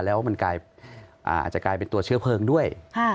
แล้วมันกลายอ่าอาจจะกลายเป็นตัวเชื้อเพลิงด้วยค่ะ